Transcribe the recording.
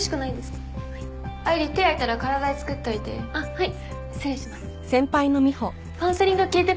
はい。